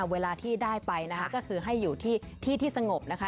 เวลาที่ได้ไปนะคะก็คือให้อยู่ที่ที่สงบนะคะ